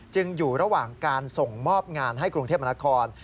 อยู่ระหว่างการส่งมอบงานให้กรุงเทพมนาคม